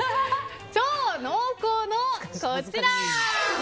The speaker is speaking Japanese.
超濃厚のこちら。